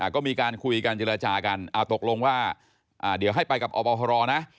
ก็มีการคุยกันเจรจากันตกลงว่าเดี๋ยวให้ไปกับอบพรนะ